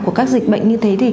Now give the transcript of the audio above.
của các dịch bệnh như thế